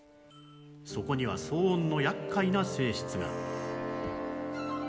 そこには騒音のやっかいな性質が。